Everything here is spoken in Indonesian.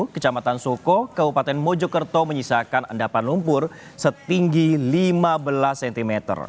dan soko kabupaten mojokerto menyisakan endapan lumpur setinggi lima belas cm